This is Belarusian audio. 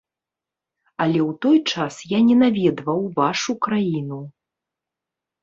Але ў той час я не наведваў вашу краіну.